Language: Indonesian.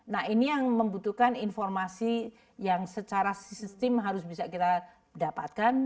nah ini yang membutuhkan informasi yang secara sistem harus bisa kita dapatkan